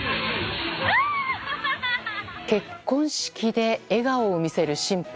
結婚式で笑顔を見せる新婦。